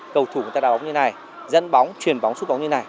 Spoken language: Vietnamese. cầu thủ người ta đào bóng như này dẫn bóng truyền bóng xuất bóng như này